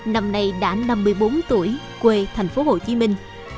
năm nay đã năm mươi bốn tuổi quê thành phố hồ chí minh